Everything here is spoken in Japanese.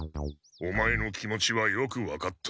オマエの気持ちはよく分かった。